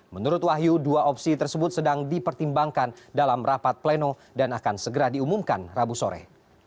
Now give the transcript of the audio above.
menurut wahyu dua opsi tersebut sedang dipertimbangkan dalam rapat pleno dan akan segera diumumkan rabu sore